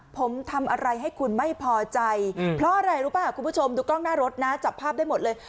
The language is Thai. ผมทำอะไรให้คุณไม่พอใจเพราะอะไรรู้ป่ะคุณผู้ชมดูกล้องหน้ารถนะจับภาพได้หมดเลย